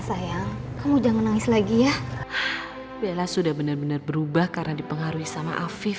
sayang kamu jangan nangis lagi ya bella sudah benar benar berubah karena dipengaruhi sama afif